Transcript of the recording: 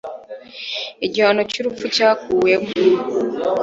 igihano cy'urupfu cyakuwemo